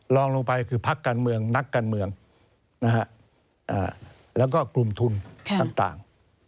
ลองลงไปคือพักการเมืองนักการเมืองแล้วก็กลุ่มทุนต่าง